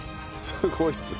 すごいっすね。